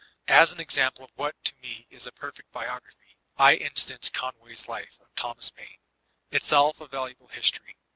As an example of what to roe b a perfect biography, I instance Conway's Life of Thomas Paine, itself a valuable hbtory.